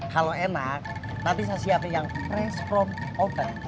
kalau enak nanti saya siapin yang fresh from oven